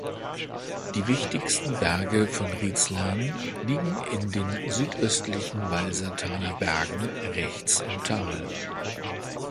Die wichtigsten Berge von Riezlern liegen in den Südöstlichen Walsertaler Bergen, rechts im Tal.